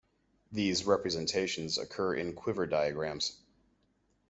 These representations occur in quiver diagrams.